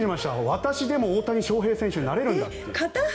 私もでも大谷翔平選手になれるんだって。